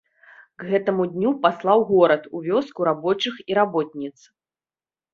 К гэтаму дню паслаў горад у вёску рабочых і работніц.